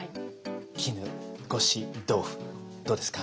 絹ごし豆腐どうですか？